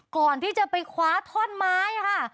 ก่อนที่จะไปคว้าท่อนไม้ค่ะ